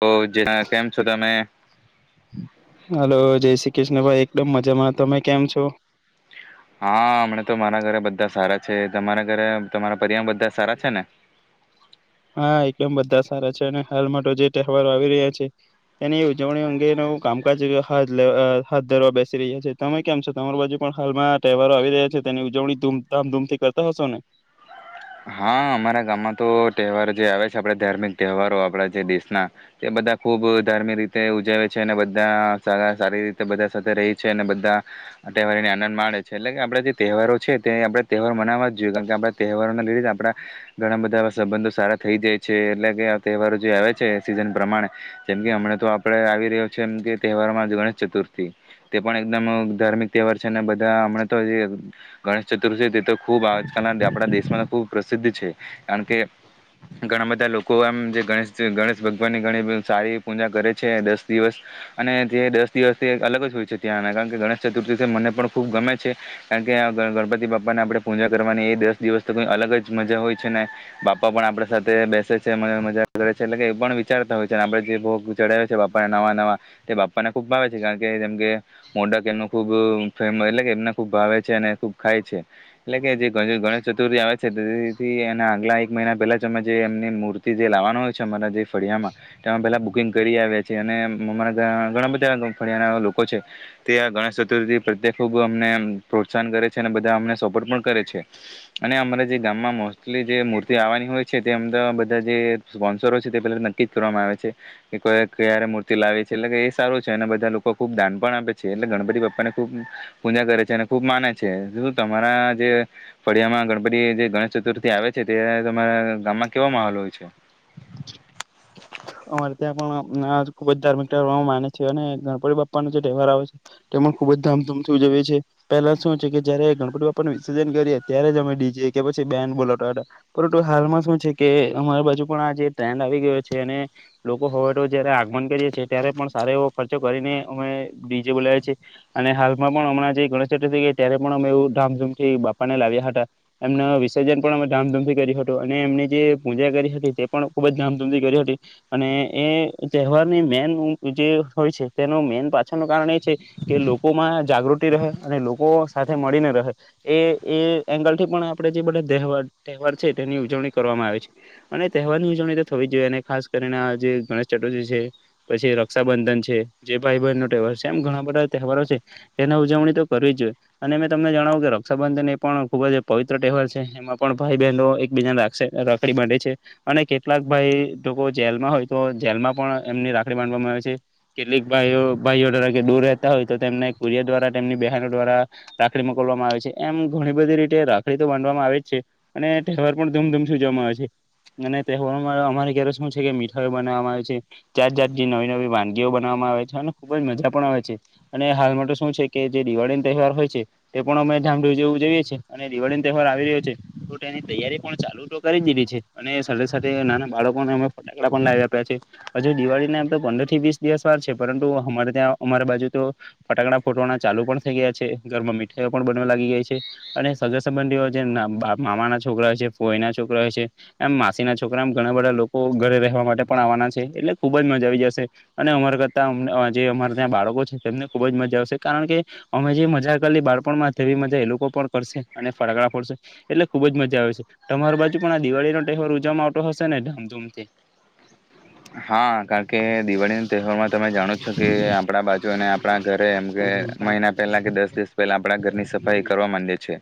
તો જે કેમ છો તમે? હલો જય શ્રી કૃષ્ણ ભાઈ એકદમ મજામાં તમે કેમ છો? હા મને તો મારા ઘરે બધ ધા સારા છે. તમારા ઘરે તમારા પરિવારણ બધા સારા છે ને? હા એકદમ બધા સારા છે અને હાલમાં તો જે તહેવારો આવી રહ્યા છે એની ઉજવણી અંગેનું કામકાજા હાથ ધરવા બેસી રહ્યા છે. તમે કેમ છો તમારી બાજુ પણ હાલમાં તહેવારો આવી રહ્યા છે તેની ઉજવણી ધામધૂમથી કરતા હશો ને? હા અમારા ગામમાં તો તહેવારો જે આવે છે આપડા ધાર્મિક તહેવારો આપડા જે દેશના તે બધા ખુબ ધાર્મિક રીતે ઉજવે છે. અને બધાા સારી રીતે બધા સાથે રહી છે અને બધા તહેવારીને આનંદ માે છે એટલે કે આપણે જે તહેવારો છે તે આપણે તહેવાર મનાવવા જ જોઈએ કારણ કે આપણે તહેવારોને લીધે જ આપણા ઘણા બધા સંબંધો સારા થઈ જાય છે. એટલે કે આ તહેવારો જે આવે છે સિઝન પ્રમાણે જેમ કે હમણાં તો આપણે આવી રહ્યો છે એમ કે તહેવારોમાં ગણેશ ચતુર્થ થી તે પણ એકદમ ધાર્મિક તહેવાર છે. ધા હમણાં તો જે ગણેશ ચતુર્થી તે તો ખુબ આજકાલના આપણા દેશમાં ખૂબ પ્રસિદ્ધ છે. કારણ કે ઘણા બધા લોકો આમ જે ગણેશ ગણેશ ભગવાનની ઘણી સારી પૂજા કરે છે દસ દિવસ અને તે દસ દિવસથી અલગ જ હોય છે ત્યાંના કારણ કે ગણેશ ચતુર્થીથી મને પણ ખૂબ ગમે છે કારણ કે ગણપતિ બાપાને આપણે પૂજા કરવાની એ દસ દિવસ તો કઈ અલગ જ મજા હોય છે. ને બાપા પણ આપડા સાથે બેસે છે મ મજા કરે છે એટલે કે એ પણ વિચારતા હોય છે આપડ જે ભોગ ચડાવે છે બાપાને નવા નવા તે બાપાને ખૂબ ભાવે છે. કારણ કે જેમ કે મોડક એમનું ખૂબ ફેમ એટલે કે એમને ખૂબ ભાવે છે અને ખૂબ ખાય છે. એટલે કે જે ગ ચતુર્થી આવે છે તેથી એના આગલા એક મહિના પહેલા જ અમે જે એમની મૂર્તિ જે લાવવાના હોય છે અમારા જે ફળિયામાં તેમાં પહેલા બુકિંગ કરી આવ્યા છેએ અને અમારા તા ઘણા બધા ફળિયાના લોકો છે તે આ ગણેશ ચતુર્થી પ્રત્યે ખૂબ અમને પ્રોત્સાહન કરે છે અને બધા અમને સપોર્ટ પણ કરે છે. અને અમારા જે ગામમાં મોસ્ટલી જે મૂર્તિ આવવાની હોય છે તે અમ તો બધા જે સ્પોન્સરો છે તે પહેલા નક્કી કરવામાં આવે છે કે કો ક્યારે મૂર્તિ લાવે છે એટલે કે એ સારું છે અને બધા લોકો ખૂબ દાન પણ આપે છે એટલે ગણપતિ પપ્પા ને ખૂબ પૂજા કરે છે અને ખૂબ માને છે શ તમારા જે ફડિયામાં ગણપતિ જે ગણેશ ચતુર્થી આવે છે ત તમારા ગામમાં કેવ માહોલ હોય છે? અમારે ત્યાં પણ ખુબ જ ધાર્મિક તર માને છે અને ગણપતિ બાપ્પાનો જે તહેવાર આવે છે તે પણ ખુબ જ ધામધૂમથી ઉજવે છે પહેલા શું છે કે જયારે ગણપતિ બાપ્પા વિસર્જન કરીએ ત્યારે જ અમે ડીજે કે પછી બેન બોલાતા હતા પરંતુ હાલમાં શું છે કે અમારી બાજુ પણ આ જે ટ્રેન્ડ આવી ગયો છે અને લોકો હવે તો જયારે આગમન કરીએ છી ત્યારે પણ સારો એવો ખર્ચો કરીને અમે ડીજે બોલાવી છીએ અને હાલમાં પણ હમણાં જે ગણેશ ચતુર્થી ત્યારે પણ અમે એવું ધામધૂમથી બાપાને લાવ્યા હતા એમના વિસર્જન પણ અમે ધામધૂમથી કર્યું હતું અને એમની જે પૂજા કરી હતી તે પણ ખુબ જ ધામધૂમથી કરી હતી. અને એ તહેવારની મેન હુ જે હોય છે તેનું મેન પાછળનું કારણ એ છે કે લોકોમાં જાગૃતિ રહે અને લોકો સાથે મળીને રહે એ એ એંગલ થી પણ આપણે જે બધા તહે તહેવાર છે તેની ઉજવણી કરવામાં આવે છે. અને તહેવારની ઉજવણી તો થવી જ જોઈએ અને ખાસ કરીને જે ગણેશ ચતુર્થી છે, પછી રક્ષાબંધન છે, જે ભાઈ બહેન નો તહેવાર છે એમ ઘણા બધા તહેવારો છે એની ઉજવણી તો કરવી જ જોઈએ અને મેં તમને જણાવું કે રક્ષાબંધન એ પણ ખુબ જ પવિત્ર તહેવાર છે એમાં પણ ભાઈ બહેનો એકબીજાને રાસે રાખડી બાંધે છે અને કેટલાક ભાઈ લોકો જેલમાં હોય તો જેલમાં પણ એમની રાખડી બાંધવામાં આવે છે. કેટલીક ભાઈ ભાઈઓ કે દૂર રહેતા હોય તો તેમને કુરિયા દ્વારા તેમની બહેનો દ્વારા રાખડી મોકલવામાં આવે છે એમ ઘણી બધી રીતે રાખડી તો બાંધવામાં આવે જ છે અને તહેવાર પણ ધૂમધૂમ સૂજવવામાં આવે છે અને તહેવારોમાં અમારે ઘરે શું હુ છે કે મીઠાઈઓ બનાવવામાં આવે છે જાત જાત થી નવી નવી વાનગીઓ બનાવવામાં આવે છે. અને ખૂબ જ મજા પણ આવે છે અને હાલ માટે શું છે કે જે દિવાળીનો તહેવાર હોય છે તે પણ અમે ધામડૂવું જોઈએ છીએ અને દિવાળીનો તહેવાર આવી રહ્યો છે તો તેની તૈયારી પણ ચાલુ તો કરી દીધી છે. અને સાથે સાથે નાના બાળકોને અમે [unintelligible] હજુ દિવાળી ના એમ તો પંદર થી વીસ દિવસ વાર છે પરંતુ અમારે ત્યાં અમારી બાજુ તો ફટાકડા ફોટવાના ચાલુ પણ થઈ ગયા છે ઘરમાં મીઠાઈઓ પણ બનવા લાગી ગઈ છે અને સગાડી સંબંધીઓ જે મામા ના છોકરા હોય છે પોય ના છોકરા હોય છે એમ માસી ના છોકરા એમ ઘણા બધા લો કો ઘરે રહેવા માટે પણ આવવાના છે એટલે ખુબ જ મજા આવી જશે અને અમાર કરતા જે અમાર ત્યાં બાળકો છે તેમને ખુબ જ મજા આવશે કારણ કે અમે જે મજા કરલી બાળપણમાં તેવી મજા એ લોકો પણ કરશે અને ફટાકડા ફોડશે એટલે ખુબ જ મજા આવે છે. અમાર બાજુ પણ આ દિવાળીનો તહેવાર ઉજામાં આવટો હશે ને ધામધૂમ જે હા કારણ કે દિવાળી ના તહેવારમાં તમે જાણો છો કે આપણા બાજુને આપણા ઘરે એમ કે મહિના પહેલા કે દસ દિવસ પહેલા આપણા ઘરની સફાઈ કરવા માંડે છે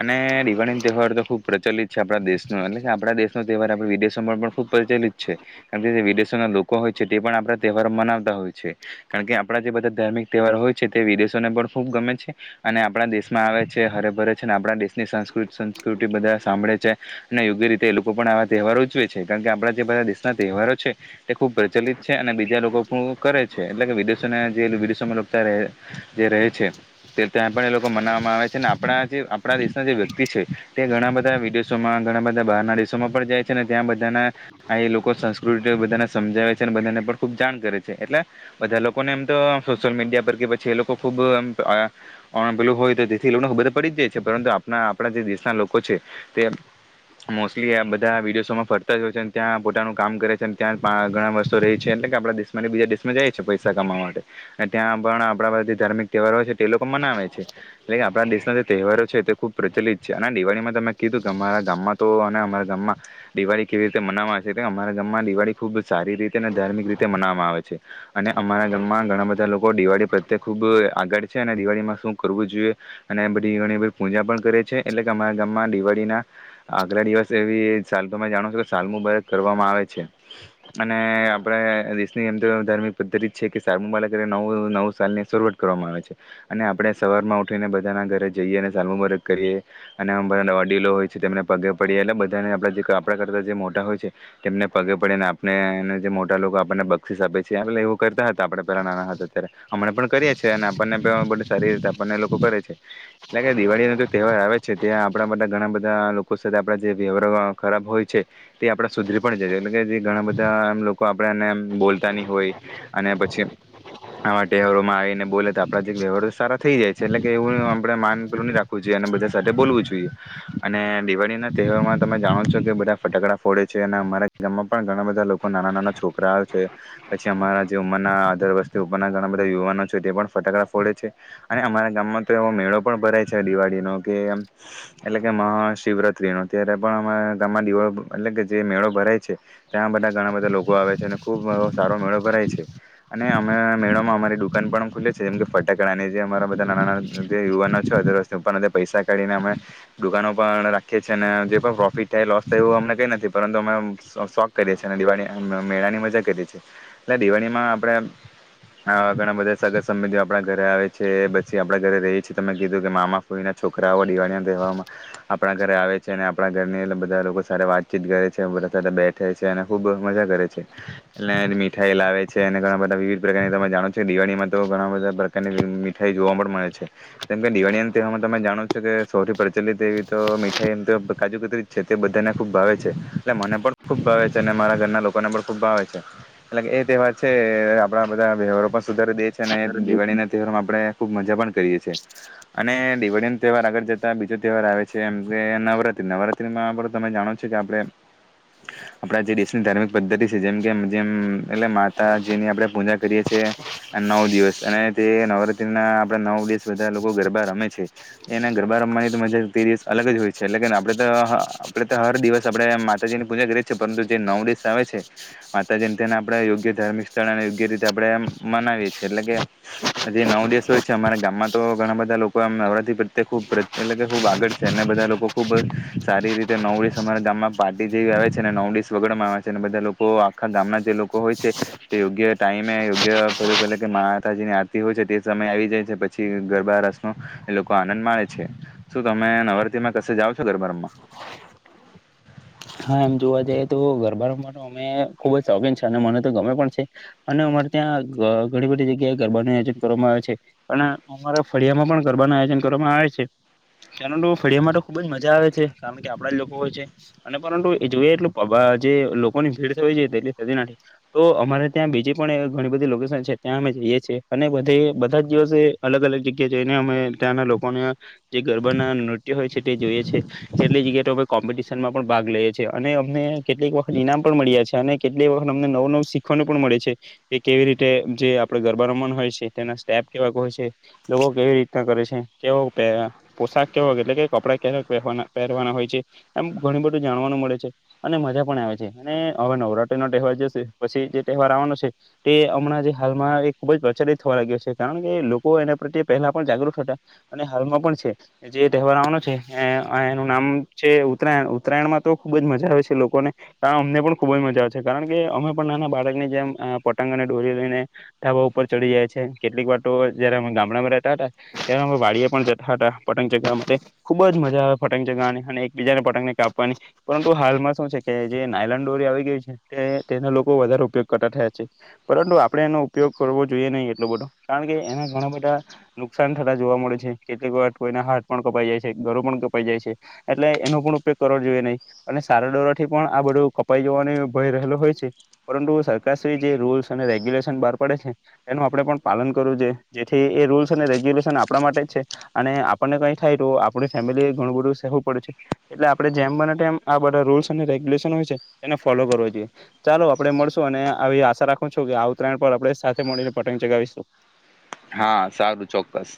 અને દિવાળી ન તહેવાર તો ખુબ પ્રચલિત છે આપણા દેશનો એટલે કે આપણા દેશનું તેહવાર આપ વિદેશોમાં પણ ખુબ પચલિત છે. આથી વિદેશોના લોકો હોય છે તે પણ આપણા તહેવારો મનાવતા હોય છે. કારણ કે આપણા જે બધા ધાર્મિક તહેવાર હોય છે તે વિદેશોને પણ ખૂબ ગમે છે. અને આપણા દેશમાં આવે છે હરે ભરે છે અને આપણા દેશની સંસ્કૃતિ સંસ્કૃતિ બધા સાંભળે છે અને યોગ્ય રીતે એ લોકો પણ આવા તહેવાર ઉજવે છે કારણ કે આપણા જે બધા તહેવારો છે તે ખૂબ પ્રચલિત છે અને બીજા લોકો ખૂ કરે છે એટલે કે વિદેશોને જે વિદેશોમાંં જે રહે છે તે ત્યાં પણ એ લોકો મનાવવામાં આવે છે આપણા જે આપણા દેશના જે વ્યક્તિ છે તે ઘણા બધા વિડીયો શો માં ઘણા બધા બહારના દેશોમાં પણ જાય છેને ત્યાં બ ત્યાના [unintelligible] લોકો [unintelligible] બધાને સમજાવે છે અને બધાને પણ ખૂબ જાણ કરે છે એટલે બધા લોકોને એમ તો સોશિયલ મીડિયા પર કે પછી એ લોકો ખૂબ એમ પણ પેલુ હોય [unintelligible] થી લોકોને ખબર પડી જ જાય છે પરંતુ આપણા આપણા જે દેશના લોકો છે તે મોસ્ટલી આ બધા વિડીયો શો માં ફરતા જ હોય છે ત્યાં પોતાનું કામ કરે છે અને ત્યાં ઘણા વર્ષો રહેહી છે એટલે કે આપણા દેશમાં બીજા દેશમાં જાય છે પૈસા કમાવા માટે અને ત્યાં પણ આપણા જે ધાર્મિક તહેવારો હો છે તે લોકો મનાવે છે એટલે કે આપણા દેશના જે તહેવારો છે તે ખૂબ પ્રચલિત છે અને દિવાળીમાં તમે કીધું કે અરા ગામમાં તો અને અમારા ગામમાં દિવાળી કેવી રીતે મનાવા છે. લે અમારા ગામમાં દિવાળી ખૂબ સારી રીતે અને ધાર્મિક રીતે મનાવામાં આવે છે અને અમારા ગામમાં ઘણા બધા લોકો દિવાળી પ્રત્યે ખૂબ આગળ છે અને દિવાળીમાં શું કરવું જોઈએ અને બધી ઘણી બધી પૂજા પણ કરે છે એટલે કે અમારા ગામમાં દિવાળીના આગલા દિવસ એવી સા તમે જાણો છો કે સાલમુબારક કરવામાં આવે છે અને આપણા દેશની એમ તો ધાર્મિક પદ્ધતિ છે કે સારમુબારક કરીને નવ નવ સાલની શરૂઆત કરવામાં આવે છે અને આપણે સવારમાં ઉઠીને બધાના ઘરે જઈએ અને સારમુબારક કરીએ અને બધાના વડીલો હોય છે તેમને પગે પડીએ એટલે બધાને આપણા જે આપણા કરતાં જે મોટા હોય છે. તેમને પગે પડીેને આપને જે મોટા લોકો આપણને બક્ષીસ આપે છે એવું કરતા હતા આપણે પેલા નાના હતા અત્યારે હમણા પણ કરીએ છીએ અને આપણને બધ સારી રીતે આપણને લોકો કરે છે એટલે કે દિવાળી ન જે તહેવાર આવે છે ત્યાં આપણા બધા ઘણા બધા લોકો સાથે આપ જે વ્યવહ ખરાબ હોય છે તે આપ સુધરી પણ જાય એટલે કે જે ઘણા બધા એમ લોકો આપણે એને બોલતાની હોય અને પછી આવા તહેવારોમાં આવીને બોલે તો આપણા જે વ્યવહાર સારા થઈ જાય છે એટલે કે એવું આપણે માન પલું રાખવું જોઈએ અને બધા સાથે બોલવું જોઈએ અને દિવાળી ના તહેવારમાં તમે જાણો છો કે બધા ફટાકડા ફોડે છે. અને અમારા ગામમાં પણ ઘણા બધા લોકો નાના નાના છોકરાઓ છે પછી અમારા જે ઉંમરના આધર વસ્ષથી ઉપરના ઘણા બધા યુવાનો છે તે પણ ફટાકડા ફોડે છે અને અમારા ગામમાં તો એવો મેળો પણ ભરાય છે. દિવાળીનો કે એટલે કે મહાશિવરાત્રી નો ત્યારે પણ અમારા ગામમાં દિવાળી એટલે જે મેળો ભરાય છે ત્યાં બધા ઘણા બધા લોકો આવે છે અને ખુબ સારો મેળો ભરાય છે અને અમે મેળોમાં અમારી દુકાન પણ ખુલે છે જેમ કે ફટાકડાને જે અમારા બધા નાના નાના જે યુવાનો છે અધર વસ્ ઉપર પૈસા કાઢીને અમે દુકાનો પણ રાખીએ છીએ અને જે પણ પ્રોફિટ થાય લોસ થાય એવું અમને કઈ નથી. પરંતુ અમે શોખ કરીએ છીએ અને દિવાળી મેળાની મજા કરીએીએ એટલે દિવાળીમાં આપણે આવા ઘણા બધા સગર સંબંધી આપણા ઘરે આવે છે પછી આપડા ઘરે રહીએ છીએ તમે કીધું કે મામા ફઈ ના છોકરાઓ દિવાળી ના તહેવારમાં આપણા ઘરે આવે છે અને આપણા ઘરની એ બધા લોકો સાતે વાત ચીત કરે છે બા બેઠે છે અને ખૂબ મજા કરે છે એટલે મીઠાઈ લાવે છે અને ઘણા બધા વિવિધ પ્રકારની તમે જાણો છો દિવાળીમાં તો ઘણા બધા પ્રકારની મીઠાઈ જોવા પણ મળે છે. કેમ કે દિવાળી ના તહેવારમાં તમે જાણો છો કે સૌથી પ્રચલિત એવી તો મીઠાઈ એમ કાજુ કેતરી છે તે બધાને ખૂબ ભાવે. એટ મને પણ ખુબ ભાવે છે, અને મારા ઘરના લોકોને પણ ખુબ ભાવે છે, એટલે એ તહેવાર છે, આપણા બધા વ્યવહારો પણ સુધારી દે છે અને એ દિવાળીના તહેવારમાં આપણે ખૂબ મજા પણ કરીએ છીએ, અને દિવાળીનો તહેવાર આગળ જતા બીજો તહેવાર આવે છે, એમ કે નવરાત્ર્રી નવરાત્રીમાં પણ તમે જાણો છો, કે આપણે આપણા જે દેશની ધાર્મિક પદ્ધતિ છે, જેમ કે જેમ એટલે માતાજીની આપણે પૂજા કરીએ છેએ નવ દિવસ અને તે નવરાત્રીના આપડા નવ દિવસ બધા લોકો ગરબા રમે છે, એના ગરબા રમવાની તો મજા તે દિવસ અલગ જ હોય છે, એટલે કે આપણે તો આપણે દિવ આપે માતાજી ની પૂજા કરીએ છીએ પરંતુ જે નવ દિવસ આવે છે, માતાજીને તેને આપણેે યોગ્ય ધાર્મિક સ્થળ અને યોગ્ય રીતે આપણે મનાવીએ છીએ એટલે કે જે નવ દિવસ હોય છે, અમારા ગામમાં તો ઘણા બધા લોકો નવરાત્રી પ્રત્યે ખબ એટલે ખૂબ આગળ છે, અને બધા લોકો ખુબ સારી રીતે નવ દિવ તમારા ગામમાં પાર્ટી જેવી આવે છે, અને નવ દિવસ વગર માં આવે છે અને બધા લોકો આખા ગામના જે લોકો હોય છે તે યોગ્ય ટાઈમે યોગ્ય બધું કે મા માતાજી ની આરતી હોય છે, તે સમય આવી જાય છે પછી ગરબા રસ ન એ લોકો આનંદ માે છે, શું તમે નવરાત્ર્રીમાં કશે જાવ છો? ગરબા રમાં હા એમ જોવા જઈએ, તો ગરબા માટે અમે ખુબ જ શોખીન છે અને મને તો ગમે પણ છે, અને અમારે ત્યાં ઘણી બધી જગ્યાએ ગરબાનું આયોજન કરવામાં આવે છે, પણ અમારા ફળિયામાં પણ ગરબા ન આયોજન કરવામાં આવે છે કાર ફળિયામાં ખુબ જ મજા આવે છે, કારણ કે આપણા જ લોકો હોય છે, અને પરંતુ એ જોઈએ એટલ જે લોકોની ભીડ થ જોઈ તેટલી થતી નથી, તો અમારે ત્યાં બીજી પણ ઘણી બધી લોકેશન છે, ત્યાં અમે જઈએ છીએ અને બધ બધા જ દિવસે અલગ અલગ જગ્યા જઈને અમે ત્યાંના લોકોને જે ગરબાના નૃત્ય હોય છે, તે જોઈએ છે કેટલી જગ્યા તો કોમ્પિટશનમાં પણ ભાગ લઈએ છીએ અને અમને કેટલીક વખત ઈનામ પણ મળ્યા છે, અને કેટલીક વખત અમને નવું નવું શીખવાનું પણ મળે છે, કે કેવી રીતે જે આપણે ગરબા રમણ હોય છે, તેના સ્ટેપ કેવા હોય છે લોકો કેવી રીતના કરે છે, કેવાો પોશાક કેવા એટલે કે કપડાં કેવા પહેવાના પહેરવાના હોય છે, એમ ઘણ બધું જાણવાનું મળે છે, અને મજા પણ આવે છે, અને હવે નવરાત્રીનો તહેવાર જે પછી જે તહેવાર આવવાનો છે તે હમણાં જે હાલમાં એ ખૂબ જ પ્રચલિત થવા લાગ્યો છે, કારણ કે લોકો એના પ્રત્યે પહેલા પણ જાગૃત હતા અને હાલમાં પણ છે જે તહેવાર આવવાનો છે એનું નામ છે, ઉ ઉત્તરાયણમાં તો ખુબ જ મજા આવે છે, લોકોને પણ અમને પણ ખુબ જ મજા આવે છે, કારણ કે અમે પણ નાના બાળકની જેમ પતંગને ડોરી લઈને ઢાબા ઉપર ચડી જાય છે, કેટલીક વા જયારે અમે ગામડામાં રહેતા હતા ત્યારે અમે વાડીિયા પણ જતા હતા, પતંગ ચગાવા ખુબ જ મજા આવે પતંગ ચગાની અને બીજાને કાપવાની પરંતુ હાલમાં શું છે, કે જે નાયલન્ ડોરી આવી ગય છે તે તેના લોકો વધારે ઉપયોગ કરતા થયા છે પરંતુ આપણે એનો ઉપયોગ કરવો જોઈએ નહી, એટલો બધો કારણ કે એના ઘણા બધા નુકસાન થતા જોવા મળે છે કેટલીક વા એને હાથ પણ કપાઈ જાય છે, ઘરો પણ કપાઈ જાય છે, એટલે એનો પણ ઉપયોગ કરવો જોઈએ નહીં અને સારા દોરથી પણ આ બધું કપાઈ જવાનો ભય રહેલો હોય છે પરંતુ સરકારશ્રી જે રૂલ્સ અને રેગ્યુલેશન બહાર પાડે છે, એનું આપણે પણ પાલન કરવું જોઈએ, જેથી એ રૂલ્સ અને રેગ્યુલેશન આપણા માટે જ છે, અને આપણને કંઈ થાય તો આપણી ફેમિલીએ ઘણું બધું સહેવું પડે છે, એટલે આપણે જેમ બને તેમમ આ બધા રૂલ્સ અને રેગ્યુલેશન હોય છે, એને ફોલો કરો જોઈએ ચાલો આપડણે મળશું અને આવી આશા રાખું છું, કે ઉતરાયણ પર આપે સાથે મળીને પતંગ ચગાવીશું, હા સારું ચોક્કસ